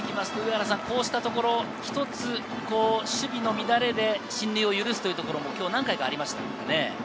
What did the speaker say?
序盤から見ると、こうしたところ、一つ守備の乱れで失点を許すというところも今日、何回かありましたね。